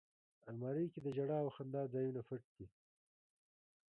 الماري کې د ژړا او خندا ځایونه پټ دي